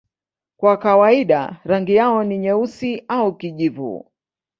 Kwa kawaida rangi yao ni nyeusi au kijivu.